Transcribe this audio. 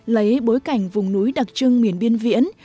lấy bối cảnh vùng núi đặc trưng miền biên viễn